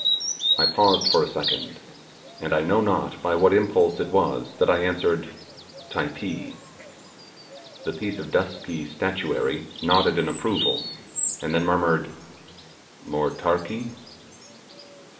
I paused for a second, and I know not by what impulse it was that I answered 'Typee'. The piece of dusky statuary nodded in approval, and then murmured 'Motarkee!